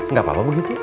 gak apa apa begitu